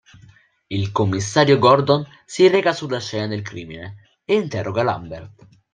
Il commissario Gordon si reca sulla scena del crimine, e interroga Lambert.